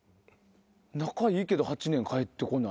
仲いいけど８年帰ってこない。